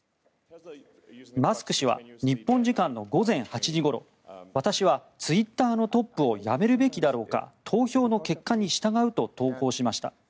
マスク氏は日本時間の午前８時ごろ私はツイッターのトップを辞めるべきだろうか投票の結果に従うと投稿しました。